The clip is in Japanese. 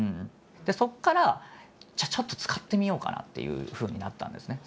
そこからじゃあちょっと使ってみようかなっていうふうになったんですね。